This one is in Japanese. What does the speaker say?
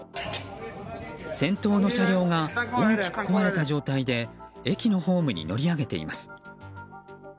先頭の車両が大きく壊れた状態で駅のホームに乗り上げています。